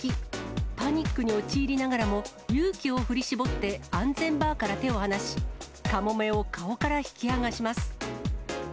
パニックに陥りながらも、勇気を振り絞って安全バーから手を離し、カモメを顔から引きはがします。